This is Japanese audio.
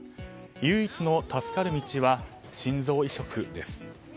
唯一の助かる道は心臓移植です。